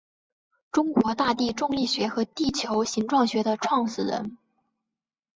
中国大地重力学和地球形状学的创始人。